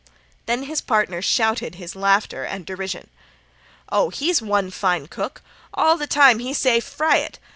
Then his partner shouted his laughter and derision. "Oh, he's one fine cook. All the time he say 'fry it.'